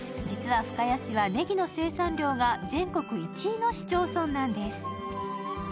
実は深谷市は、ねぎの生産量が全国１位の市町村なんです。